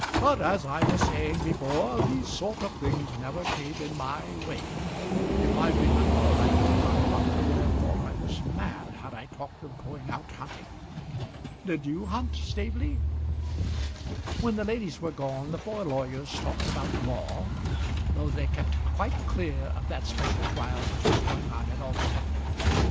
"But, as I was saying before, these sort of things never came in my way. If I remember right, my father would have thought I was mad had I talked of going out hunting. Did you hunt, Staveley?" When the ladies were gone the four lawyers talked about law, though they kept quite clear of that special trial which was going on at Alston.